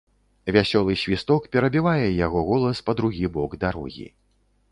Вясёлы свісток перабівае яго голас па другі бок дарогі.